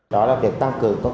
đó là việc tăng cường